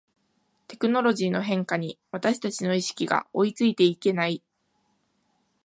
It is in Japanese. テクノロジーの変化に私たちの意識が追いついていけない